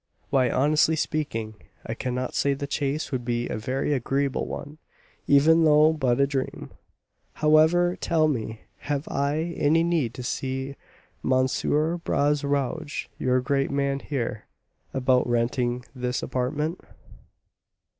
"Why, honestly speaking, I cannot say the chase would be a very agreeable one, even though but a dream. However, tell me, have I any need to see M. Bras Rouge your great man here about renting this apartment?"